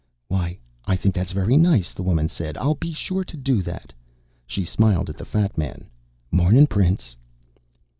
"Why, I think that's very nice," the woman said. "I'll be sure and do that." She smiled at the fat man. "Mornin', Prince."